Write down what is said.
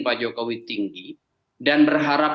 pak jokowi tinggi dan berharap